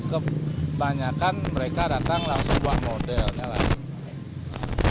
kebanyakan mereka datang langsung buat modelnya lah